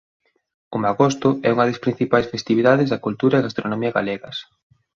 O magosto é unha das principais festividades da cultura e gastronomía galegas.